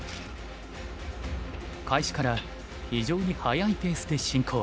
開始から非常に速いペースで進行。